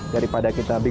yang ini satu lijeng